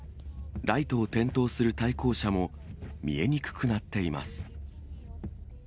ライトを点灯する対向車も、見えにくくなっています。